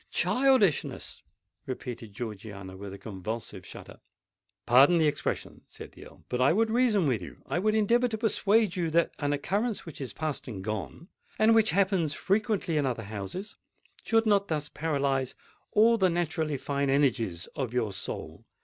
"Childishness!" repeated Georgiana, with a convulsive shudder. "Pardon the expression," said the Earl; "but I would reason with you—I would endeavour to persuade you that an occurrence which is past and gone, and which happens frequently in other houses, should not thus paralyse all the naturally fine energies of your soul.